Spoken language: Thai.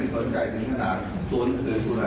แล้วก็ตอนที่ดิชันตามทีคุณอ่ะ